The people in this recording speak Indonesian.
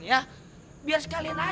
ya makasih ya pak